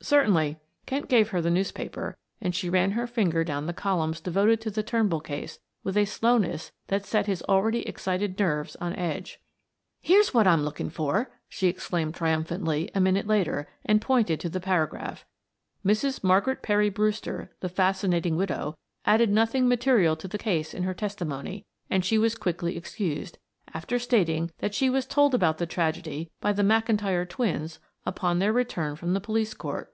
"Certainly," Kent gave her the newspaper and she ran her finger down the columns devoted to the Turnbull case with a slowness that set his already excited nerves on edge. "Here's what I'm looking for," she exclaimed triumphantly, a minute later, and pointed to the paragraph: "Mrs. Margaret Perry Brewster, the fascinating widow, added nothing material to the case in her testimony, and she was quickly excused, after stating that she was told about the tragedy by the McIntyre twins upon their return from the Police Court."